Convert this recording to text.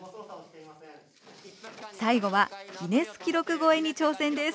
最後はギネス記録超えに挑戦です。